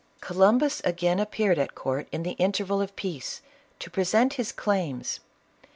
Columbus again appeared at court, in the interval of peace, to present his claims.